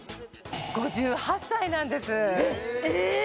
５８歳なんですえーっ！？